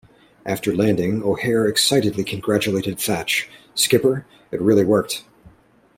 After landing, O'Hare excitedly congratulated Thach: Skipper, it really worked.